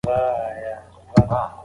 چاپیریال د ژوند هره برخه اغېزمنوي.